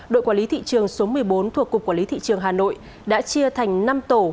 đội quản lý thị trường số một mươi bốn thuộc cục quản lý thị trường hà nội đã chia thành năm tổ